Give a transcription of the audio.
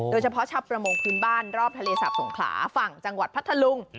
เฉพาะชาวประมงพื้นบ้านรอบทะเลสาบสงขลาฝั่งจังหวัดพัทธลุง